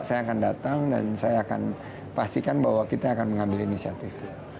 saya akan datang dan saya akan pastikan bahwa kita akan mengambil inisiatif